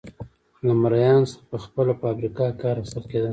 له مریانو څخه په خپله په افریقا کې کار اخیستل کېده.